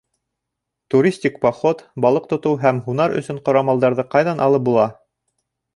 Туристик поход, балыҡ тотоу һәм һунар өсөн ҡорамалдарҙы ҡайҙан алып була?